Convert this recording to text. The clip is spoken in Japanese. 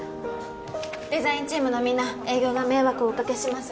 デザインチームのみんな営業が迷惑をおかけします